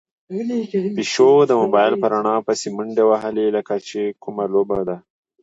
پيشو د موبايل په رڼا پسې منډې وهلې، لکه چې کومه لوبه ده.